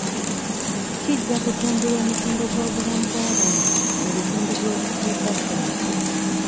Kijja kutumbula omutindo gw'obulamu bw'abantu mu bitundu by'obukiikakkono.